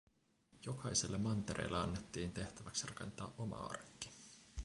Jokaiselle mantereelle annettiin tehtäväksi rakentaa oma arkki.